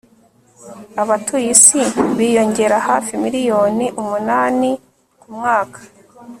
abatuye isi biyongera hafi miliyoni umunani ku mwaka